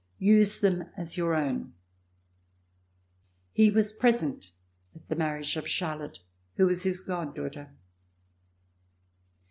Use them as your own." He was present at the marriage of Char lotte who was his god daughter.